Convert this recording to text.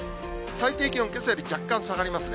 最低気温、けさより若干下がりますね。